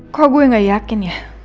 kok saya tidak yakin ya